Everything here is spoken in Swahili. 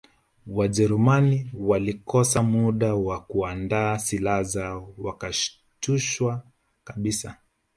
Wajerumani walikosa muda wa kuandaa silaha zao wakashtushwa kabisa